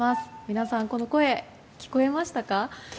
皆さん、この声聞こえましたか。